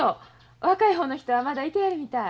若い方の人はまだいてはるみたい。